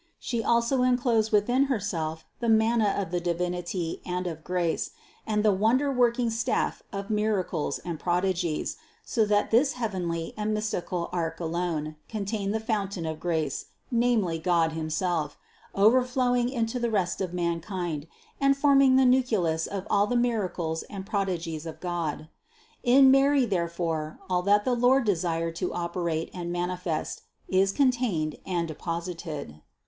She also enclosed within Herself the manna of the Divinity and of grace, and the wonder working staff of miracles and prodigies, so that this heavenly and mystical Ark alone contained the fountain of grace, namely God himself, overflowing into the rest of man kind and forming the nucleus of all the miracles and prodigies of God. In Mary therefore all that the Lord desired to operate and manifest is contained and de posited.